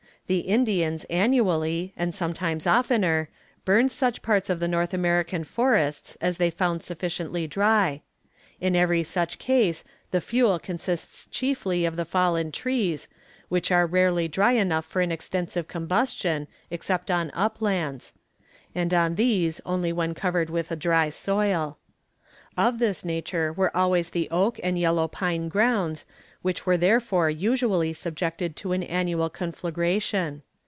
The Indians annually, and sometimes oftener, burned such parts of the North American forests as they found sufficiently dry. In every such case, the fuel consists chiefly of the fallen leaves, which are rarely dry enough for an extensive combustion, except on uplands; and on these only when covered with a dry soil. Of this nature were always the oak and yellow pine grounds, which were therefore usually subjected to an annual conflagration.